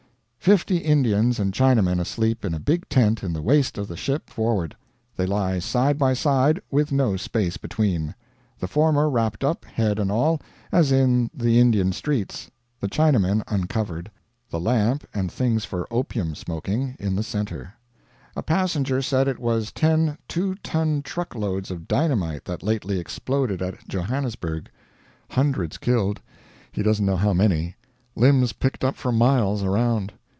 Fifty Indians and Chinamen asleep in a big tent in the waist of the ship forward; they lie side by side with no space between; the former wrapped up, head and all, as in the Indian streets, the Chinamen uncovered; the lamp and things for opium smoking in the center. A passenger said it was ten 2 ton truck loads of dynamite that lately exploded at Johannesburg. Hundreds killed; he doesn't know how many; limbs picked up for miles around.